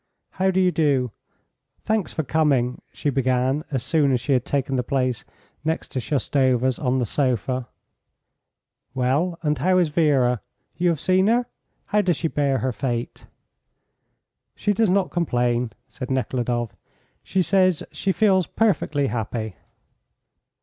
"How do you do? Thanks for coming," she began as soon as she had taken the place next Shoustova's on the sofa. "Well, and how is Vera. You have seen her? How does she bear her fate?" "She does not complain," said Nekhludoff. "She says she feels perfectly happy."